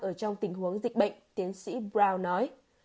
ở trong tình huống dịch bệnh tiến sĩ brown nói